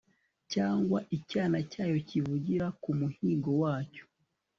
cyangwa icyana cyayo kivugira ku muhigo wacyo